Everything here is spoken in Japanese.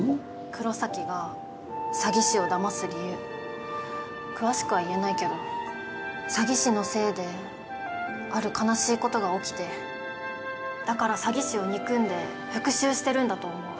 黒崎が詐欺師をだます理由詳しくは言えないけど詐欺師のせいである悲しいことが起きてだから詐欺師を憎んで復讐してるんだと思う